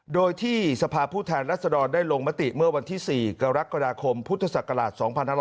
โดยที่สภาพผู้แทนรัศดรได้ลงมติเมื่อวันที่๔กรกฎาคมพุทธศักราช๒๕๖๒